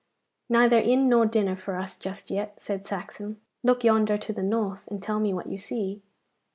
'Neither inn nor dinner for us just yet,' said Saxon. 'Look yonder to the north, and tell me what you see.